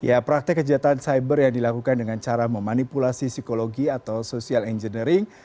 ya praktek kejahatan cyber yang dilakukan dengan cara memanipulasi psikologi atau social engineering